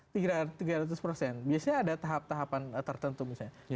biasanya ada tahap tahapan tertentu misalnya